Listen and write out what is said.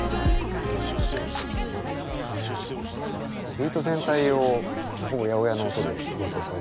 ビート全体をほぼ８０８の音で構成されてましたね。